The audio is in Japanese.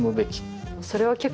それは結構。